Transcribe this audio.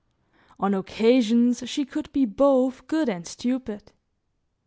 On occasions, she could be both good and stupid.